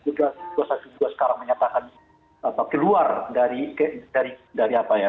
ketika dua ratus dua belas sekarang menyatakan keluar dari apa ya